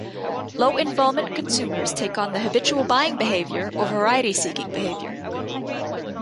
Low involvement consumers take on the habitual buying behaviour or variety seeking behaviour.